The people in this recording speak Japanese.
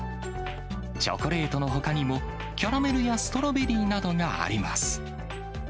チョコレートのほかにも、キャラメルやストロベリーなどがあります。